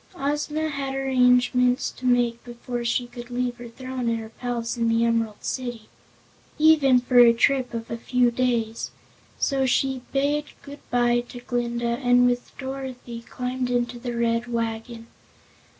Ozma had many arrangements to make before she could leave her throne and her palace in the Emerald City, even for a trip of a few days, so she bade goodbye to Glinda and with Dorothy climbed into the Red Wagon.